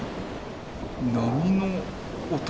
波の音？